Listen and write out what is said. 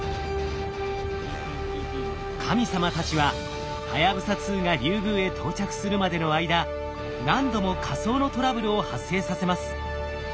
神様たちははやぶさ２がリュウグウへ到着するまでの間何度も仮想のトラブルを発生させます。